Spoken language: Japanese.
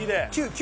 ９！